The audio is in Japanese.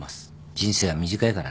人生は短いからな。